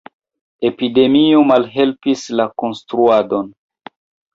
Epidemio malhelpis la konstruadon.